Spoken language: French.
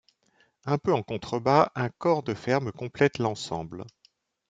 Un peu en contrebas, un corps de ferme complète l'ensemble.